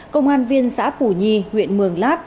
công an viên xã phủ nhi huyện mường lát